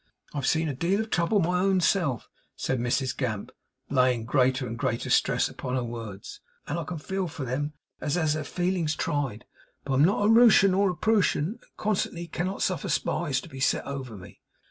I have seen a deal of trouble my own self,' said Mrs Gamp, laying greater and greater stress upon her words, 'and I can feel for them as has their feelings tried, but I am not a Rooshan or a Prooshan, and consequently cannot suffer Spies to be set over me.